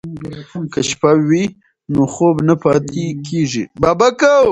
که شپه وي نو خوب نه پاتې کیږي.